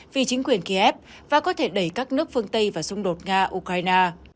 vì chính quyền kiev và có thể đẩy các nước phương tây vào xung đột nga ukraine